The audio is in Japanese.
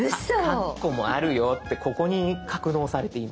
カッコもあるよってここに格納されています。